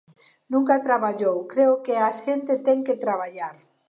Nunca traballou... creo que a xente ten que traballar.